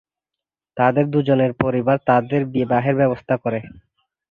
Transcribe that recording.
তাদের দুজনের পরিবার তাদের বিবাহের ব্যবস্থা করে।